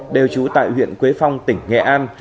đều trú tại huyện quế phong tỉnh nghệ an